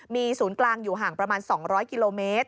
มีศูนย์กลางอยู่ห่างประมาณ๒๐๐กิโลเมตร